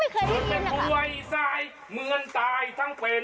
เกิดเป็นภวยใส่เหมือนตายทั้งเป็น